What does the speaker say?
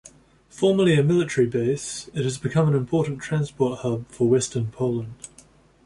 Formerly a military base, it has become an important transport hub for western Poland.